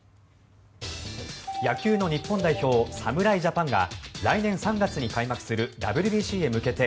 野球の日本代表侍ジャパンが来年３月に開幕するＷＢＣへ向けて